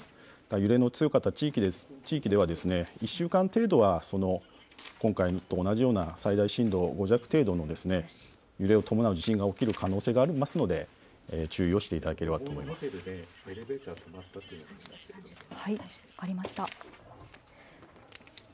揺れの強かった地域では、１週間程度は今回と同じような最大震度５弱程度の揺れを伴う地震が起きる可能性がありますので注意をしていただければと思います。